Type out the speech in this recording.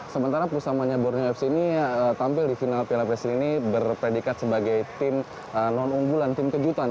sementara pusamanya borneo fc ini tampil di final piala presiden ini berpredikat sebagai tim non unggulan tim kejutan